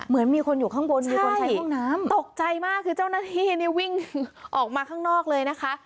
เหมือนมีคนอยู่ข้างบนมีคนใช้ห้องน้ำตกใจมากคือเจ้าหน้าที่นี่วิ่งออกมาข้างนอกเลยนะคะ